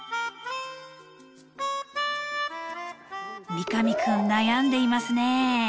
三上君悩んでいますね。